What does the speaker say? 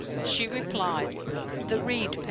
'" She replied, "The reed pen."